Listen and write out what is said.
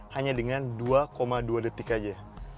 hanya dengan dua dua detik aja